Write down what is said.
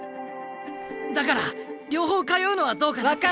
だから両方通うのはどうかなって。